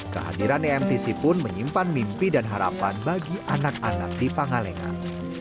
kehadiran emtc pun menyimpan mimpi dan harapan bagi anak anak di pangalengan